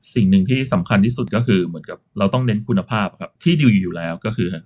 สิ่งหนึ่งที่สำคัญที่สุดก็คือเหมือนกับเราต้องเน้นคุณภาพครับที่ดีอยู่แล้วก็คือ